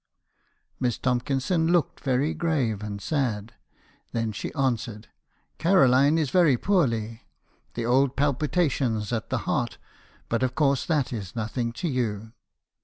"Miss Tomkinson looked very grave and sad. Then she answered, i Caroline is very poorly — the old palpitations at the heart; but of course that is nothing to you.'